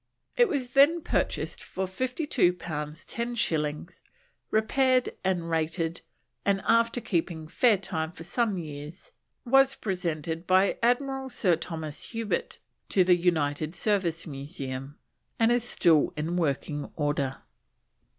It was then purchased for 52 pounds 10 shillings, repaired, and rated, and after keeping fair time for some years was presented by Admiral Sir Thomas Herbert to the United Service Museum, and is still in working order.